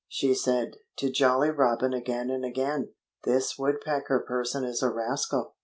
she said to Jolly Robin again and again. "This Woodpecker person is a rascal.